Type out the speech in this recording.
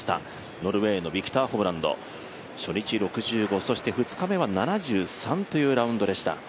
ノルウェーのビクター・ホブランド初日６５、そして２日目は７３というラウンドでした。